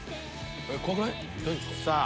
怖くない？